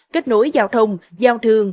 kết nối giao thông giao thương